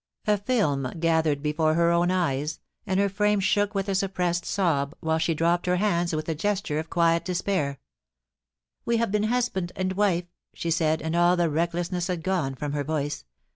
A film gathered before her own eyes, and her frame shook with a suppressed sob, while she dropped her hands with a gesture of quiet despab. * We have been husband and wife,' she said, and all the recklessness had gone from her voice.